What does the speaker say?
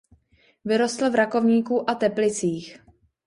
Vyrostl v Rakovníku a Teplicích.